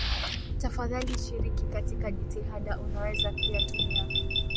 tafadhali shiriki katika jitihada Unaweza pia tumia